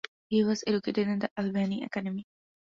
He was educated in the Albany Academy.